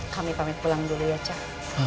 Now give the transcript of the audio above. kami pamit pulang dulu ya cak